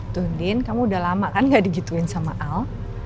tuh din kamu udah lama kan gak digituin sama al